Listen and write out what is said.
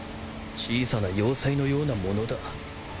小さな要塞のようなものだ。